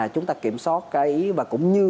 chúng ta kiểm soát cái và cũng như